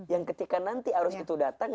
yang ketika nanti arus itu datang